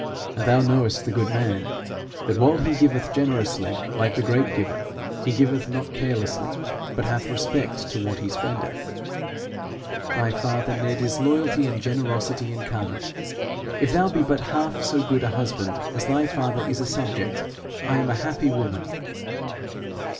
And thou knowest the good man, that while he giveth generously like the great Giver, he giveth not carelessly, but hath respect to what he spendeth.' 'Thy father, Ned, is loyalty and generosity incarnate. If thou be but half so good a husband as thy father is a subject, I am a happy woman.'